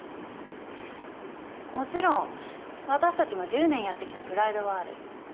もちろん私たちも１０年やってきたプライドはある。